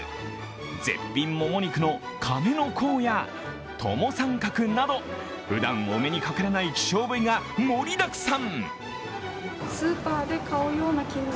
絶品もも肉のカメノコウやトモサンカクなどふだんお目にかかれない希少部位が盛りだくさん。